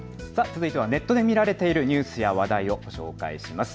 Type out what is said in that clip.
続いてはネットで見られているニュースや話題をご紹介します。